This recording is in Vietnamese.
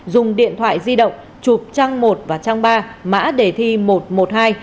dùng điện thoại di động chụp trang một và trang ba mã đề thi một trăm một mươi hai